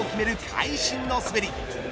会心の滑り。